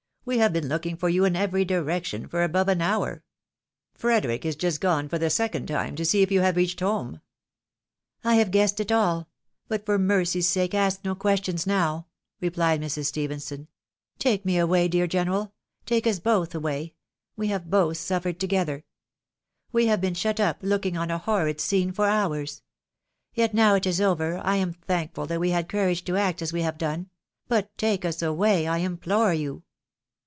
We have been looking for you in every direction for above an hour. Frederic is just gone, for the second time, to see if you have reached home !"" I have guessed it all ! But for mercy's sake ask no ques tions now," repHed Mrs. Stephenson. " Take me away, dear general ! Take us both away ! we have both suifered together I We have been shut up looking on a horrid scene for hours. Yet now it is over, I am thankful that we had courage to act as we have done ; but take us away, I implore you."